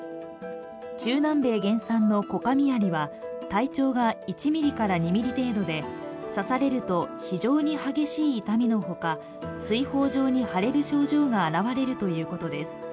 中南米原産のコカミアリは、体長が１ｍｍから２ｍｍ程度で、刺されると非常に激しい痛みのほか水泡状に腫れる症状が現れるということです。